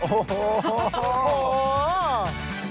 โอ้โห